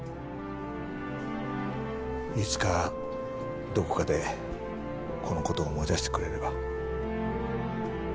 いつかどこかでこの事を思い出してくれれば。